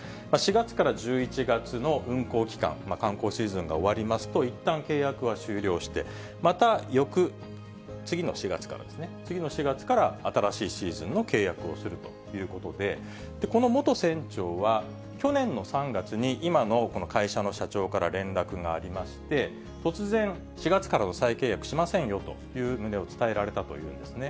４月から１１月の運航期間、観光シーズンが終わりますと、いったん契約は終了して、また翌、次の４月からですね、次の４月から新しいシーズンの契約をするということで、この元船長は、去年の３月に今の会社の社長から連絡がありまして、突然、４月からの再契約をしませんよという旨を伝えられたというんですね。